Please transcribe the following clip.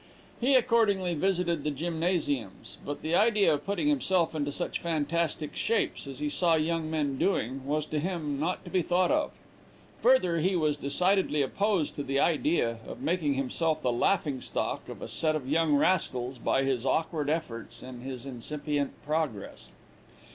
He accordingly visited the gymnasiums, but the idea of putting himself into such fantastic shapes as he saw young men doing, was to him not to be thought of. Further, he was decidedly opposed to the idea of making himself the laughing stock of a set of young rascals by his awkward efforts in his incipient progress.